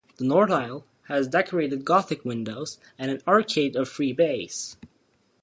The north aisle has Decorated Gothic windows and an arcade of three bays.